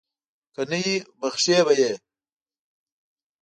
که نه وي بښي به یې.